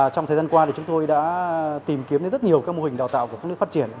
trong thời gian qua thì chúng tôi đã tìm kiếm đến rất nhiều mô hình đào tạo của các nước phát triển